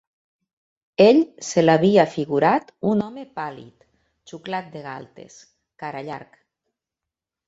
Ell se l'havia figurat un home pàl·lid, xuclat de galtes, cara llarg